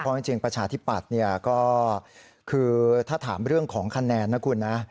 เพราะจริงประชาธิปัตย์ก็คือถ้าถามเรื่องของคะแนนนะคุณนะ